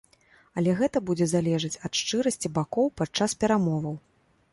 Але гэта будзе залежаць ад шчырасці бакоў падчас перамоваў.